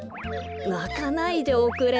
なかないでおくれ。